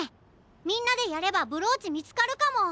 みんなでやればブローチみつかるかも！